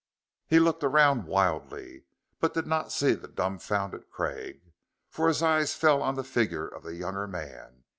He looked around wildly, but did not see the dumbfounded Craig, for his eyes fell on the figure of the younger man.